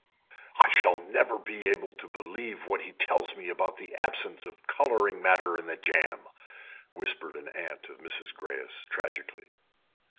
"I shall never again be able to believe what he tells me about the absence of colouring matter in the jam," whispered an aunt of Mrs. Greyes tragically.